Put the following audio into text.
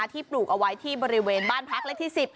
ปลูกเอาไว้ที่บริเวณบ้านพักเลขที่๑๐